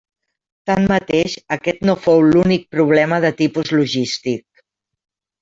Tanmateix, aquest no fou l'únic problema de tipus «logístic».